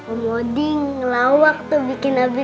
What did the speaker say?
om odin ngelawak tuh bikin abi